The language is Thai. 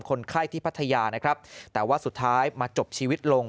คนไข้ที่พัทยานะครับแต่ว่าสุดท้ายมาจบชีวิตลง